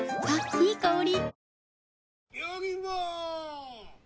いい香り。